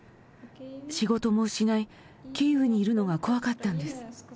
仕事も失い、キーウにいるのが怖かったんです。